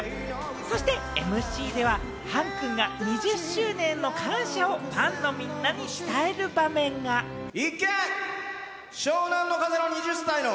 そしてＭＣでは、ＨＡＮ−ＫＵＮが２０周年の感謝をファンのみんなに伝える場面が。ね！